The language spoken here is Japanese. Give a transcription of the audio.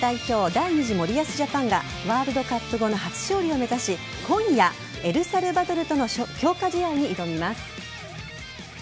第２次森保ジャパンがワールドカップ後の初勝利を目指し今夜、エルサルバドルとの強化試合に挑みます。